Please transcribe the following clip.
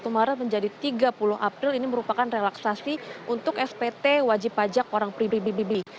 tiga puluh satu maret menjadi tiga puluh april ini merupakan relaksasi untuk spt wajib pajak orang pribibibi